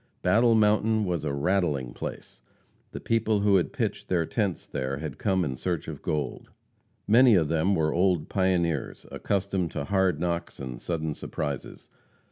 Battle Mountain was "a rattling place;" the people who had pitched their tents there had come in search of gold. Many of them were old pioneers, accustomed to hard knocks and sudden surprises.